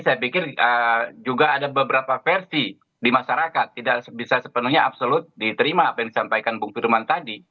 saya pikir juga ada beberapa versi di masyarakat tidak bisa sepenuhnya absolut diterima apa yang disampaikan bung firman tadi